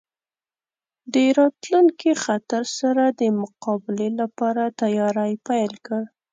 د راتلونکي خطر سره د مقابلې لپاره تیاری پیل کړ.